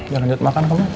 ya lanjut makan kamu